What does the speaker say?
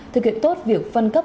thực hiện tốt việc phân cấp